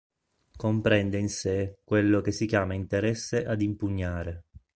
Comprende in sé quello che si chiama interesse ad impugnare.